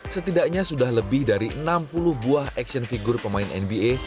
setidaknya sudah lebih dari enam puluh buah action figure pemain nba